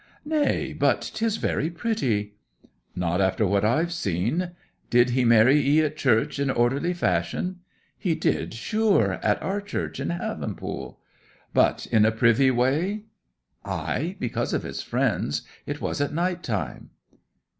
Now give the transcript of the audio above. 'Nay, but 'tis very pretty!' 'Not after what I've seen. Did he marry 'ee at church in orderly fashion?' 'He did sure at our church at Havenpool.' 'But in a privy way?' 'Ay because of his friends it was at night time.'